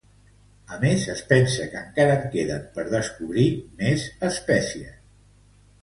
A més, es pensa que encara queden per descobrir més espècies.